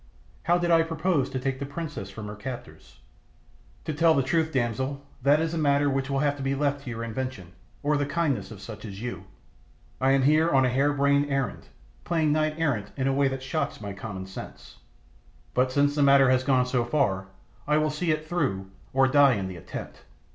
How did I propose to take the princess from her captors? "To tell the truth, damsel, that is a matter which will have to be left to your invention, or the kindness of such as you. I am here on a hare brained errand, playing knight errant in a way that shocks my common sense. But since the matter has gone so far I will see it through, or die in the attempt.